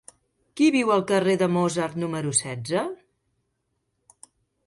Qui viu al carrer de Mozart número setze?